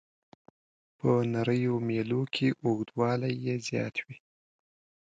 په نریو میلو کې اوږدوالی یې زیات وي.